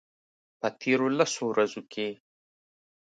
په تیرو لسو ورځو کې